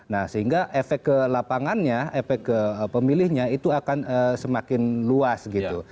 nah sehingga efek ke lapangannya efek ke pemilihnya itu akan semakin luas gitu